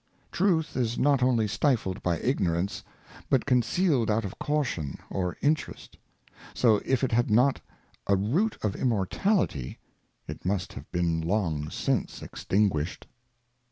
TRUTH is not only stifled by Ignorance, but concealed out Truth. of Caution or Interest ; so if it had not a Root of Immortality, it must have been long since extinguished.